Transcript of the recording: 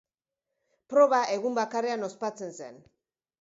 Proba egun bakarrean ospatzen zen.